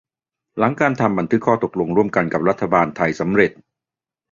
หลังการทำบันทึกข้อตกลงร่วมกันกับรัฐบาลไทยสำเร็จ